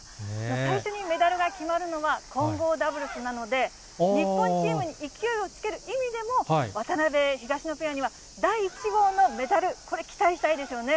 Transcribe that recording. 最初にメダルが決まるのは、混合ダブルスなので、日本チームに勢いをつける意味でも、渡辺・東野ペアには、第１号のメダル、これ、期待したいですよね。